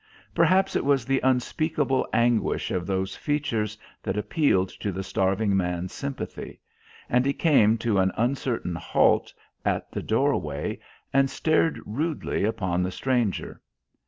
Perhaps it was the unspeakable anguish of those features that appealed to the starving man's sympathy, and he came to an uncertain halt at the doorway and stared rudely upon the stranger.